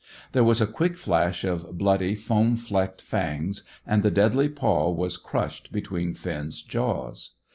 There was a quick flash of bloody, foam flecked fangs, and the deadly paw was crushed between Finn's jaws.